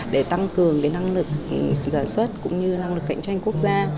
để tăng cường năng lực sản xuất cũng như năng lực cạnh tranh quốc gia